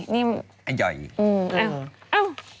อันใหญ่อีก